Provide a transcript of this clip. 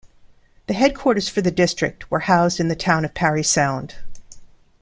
The headquarters for the district were housed in the town of Parry Sound.